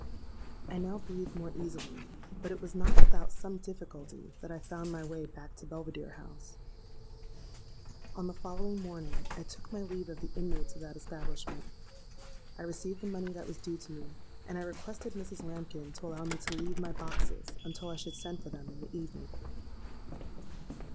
"I now breathed more easily; but it was not without some difficulty that I found my way back to Belvidere House. "On the following morning I took my leave of the inmates of that establishment. I received the money that was due to me; and I requested Mrs. Lambkin to allow me to leave my boxes until I should send for them in the evening.